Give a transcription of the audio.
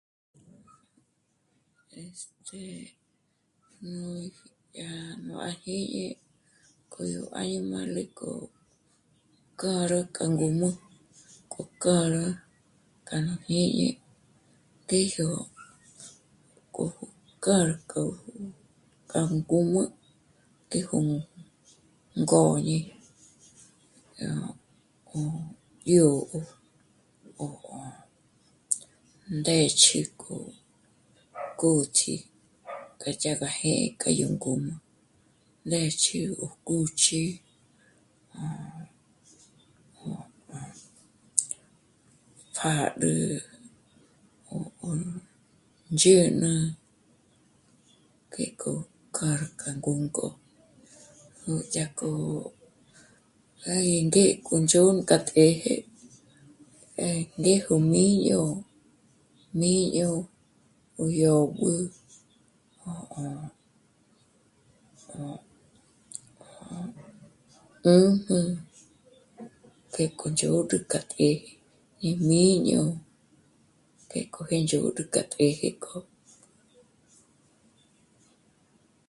Este... nú... yá... nò... à jñíñi k'o yó añimále k'o k'âra k'a ngǔm'ü k'o k'âra k'a nú jñíñi ngéjyo kójo... kârk'o k'a ngǔm'ü ngéjo ngôñi, dyó'o, o ndë́chü, kúch'i, koyája ngé k'a nú ngǔm'ü ndë́chü ó kúch'i ó..., ó... pjâdül, ó ndzhä̂nä ngék'o kâr k'a ngǔm'ü k'o. Núdyá k'o 'á gí ngé k'o ndzhôn' k'a të́jë, ngá... ngéjyo jmǐño, jmǐño k'o yó b'ü', ó, ó, ó, ó... 'ū́jm'ū ngék'o ndzhôd'ül k'a të́jë, íjmǐño ngék'o gí ndzhôd'ül k'a të́jë k'o